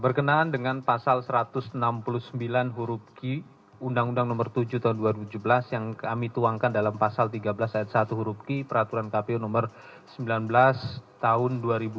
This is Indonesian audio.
berkenaan dengan pasal satu ratus enam puluh sembilan huruf q undang undang nomor tujuh tahun dua ribu tujuh belas yang kami tuangkan dalam pasal tiga belas ayat satu huruf q peraturan kpu nomor sembilan belas tahun dua ribu delapan belas